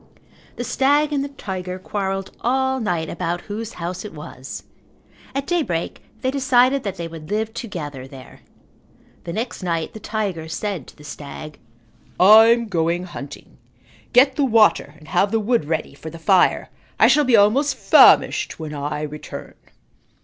The stag and the tiger quarrelled all night about whose house it was. At daybreak they decided that they would live together there. The next night the tiger said to the stag, "I'm going hunting. Get the water and have the wood ready for the fire. I shall be almost famished when I return."